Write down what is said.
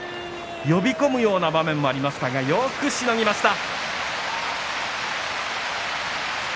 呼び込む場面がありましたがよくしのぎました。